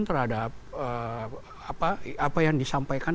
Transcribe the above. terhadap apa yang disampaikan